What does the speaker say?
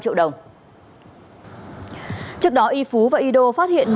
phòng cảnh sát hình sự công an tỉnh đắk lắk vừa ra quyết định khởi tố bị can bắt tạm giam ba đối tượng